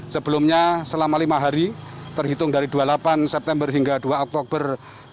sebelumnya selama lima hari terhitung dari dua puluh delapan september hingga dua oktober dua ribu dua puluh